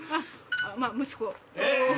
まぁ息子。